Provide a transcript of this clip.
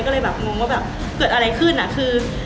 ก็เลยแบบงงว่าแบบเกิดอะไรขึ้นอ่ะคือ